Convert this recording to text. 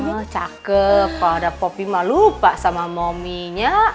oh cakep kalo ada popi malu pak sama mominya